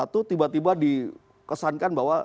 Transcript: tiba tiba dikesankan bahwa